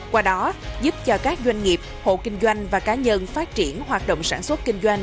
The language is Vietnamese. qua đó giúp cho các doanh nghiệp hộ kinh doanh và cá nhân phát triển hoạt động sản xuất kinh doanh